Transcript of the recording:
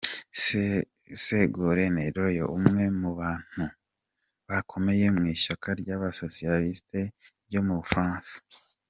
Ségolène Royal ni umwe mu bantu bakomey mu ishyaka ry’abasosiyalisiti ryo mu Bufaransa.